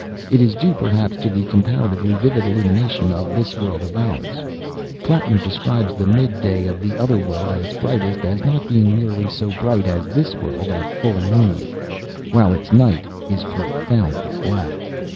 It is due, perhaps, to the comparatively vivid illumination of this world of ours. Plattner describes the midday of the Other World, at its brightest, as not being nearly so bright as this world at full moon, while its night is profoundly black.